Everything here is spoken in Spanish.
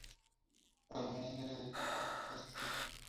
Armin era hijo de un sastre.